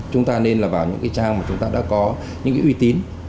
chúng ta nên là vào những cái trang mà chúng ta đã có những cái uy tín